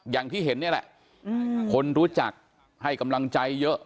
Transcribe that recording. อย่างที่เห็นนี่แหละคนรู้จักให้กำลังใจเยอะ